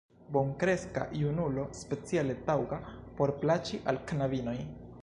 Bonkreska junulo, speciale taŭga, por plaĉi al knabinoj!